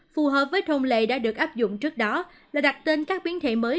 phù hợp với thông lệ đã được áp dụng trước đó là đặt tên các biến thể mới